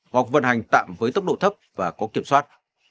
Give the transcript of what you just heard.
hoặc vận hành tạm với tốc độ thấp và có kiểm soát